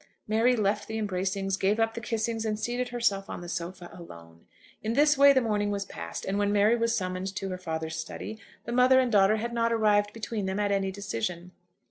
Mary left the embracings, gave up the kissings, and seated herself on the sofa alone. In this way the morning was passed; and when Mary was summoned to her father's study, the mother and daughter had not arrived between them at any decision.